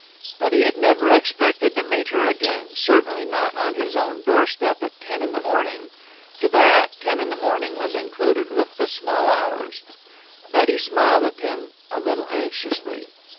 But he had never expected to meet her again, certainly not on his own doorstep at ten in the morning. To Bat ten in the morning was included with the small hours. Betty smiled at him, a little anxiously.